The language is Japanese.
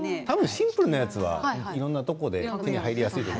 シンプルなものはいろいろなところで手に入りやすいと思う。